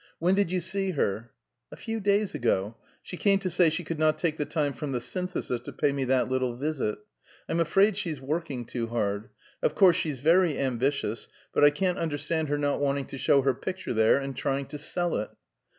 "When did you see her?" "A few days ago. She came to say she could not take the time from the Synthesis to pay me that little visit. I'm afraid she's working too hard. Of course, she's very ambitious; but I can't understand her not wanting to show her picture, there, and trying to sell it."